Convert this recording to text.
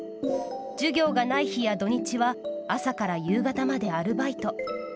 授業がない日や土日は朝から夕方までアルバイト。